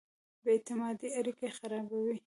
بې اعتمادۍ اړیکې خرابوي.